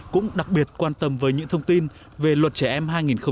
cũng đặc biệt quan tâm với những thông tin về luật trẻ em hai nghìn một mươi bốn